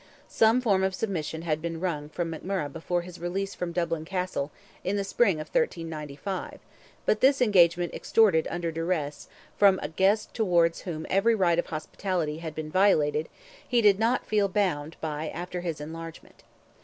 Some form of submission had been wrung from McMurrogh before his release from Dublin Castle, in the spring of 1395, but this engagement extorted under duress, from a guest towards whom every rite of hospitality had been violated, he did not feel bound by after his enlargement.